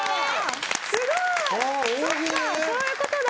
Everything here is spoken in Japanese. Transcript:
すごいそっかそういうことだ。